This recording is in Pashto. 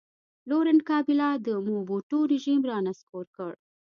لورینټ کابیلا د موبوټو رژیم را نسکور کړ.